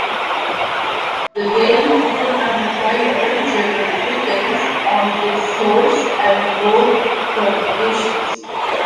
The gain of an amplifier generally depends on its source and load terminations.